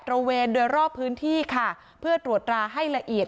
นอกเครื่องแบบตระเวนโดยรอบพื้นที่ค่ะเพื่อตรวจราให้ละเอียด